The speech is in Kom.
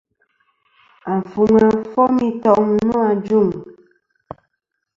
Afuŋa fom i toŋ nô ajuŋ.